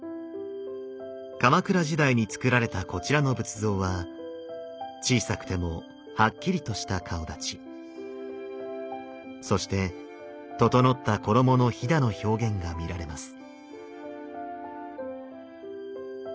鎌倉時代に造られたこちらの仏像は小さくてもはっきりとした顔だちそして整った衣のひだの表現が見られます。